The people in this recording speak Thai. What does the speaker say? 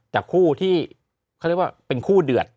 แต่คู่ที่เขาเรียกว่าเป็นคู่เดือด